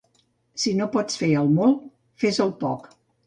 Si no pots fer el molt, fes el poc.